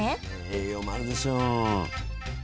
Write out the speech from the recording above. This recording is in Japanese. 栄養もあるでしょう。